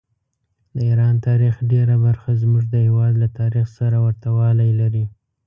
د ایران تاریخ ډېره برخه زموږ د هېواد له تاریخ سره ورته والي لري.